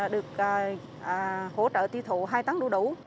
được hỗ trợ tiêu thụ hai tăng đủ đủ